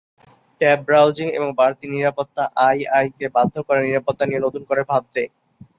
Tab browsing এবং বাড়তি নিরাপত্তা আই-ই কে বাধ্য করে নিরাপত্তা নিয়ে নতুন করে ভাবতে।